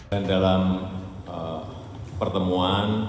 dan dalam pertemuan